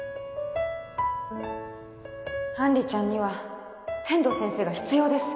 杏里ちゃんには天堂先生が必要です